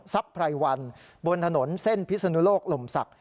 ไพรวันบนถนนเส้นพิศนุโลกลมศักดิ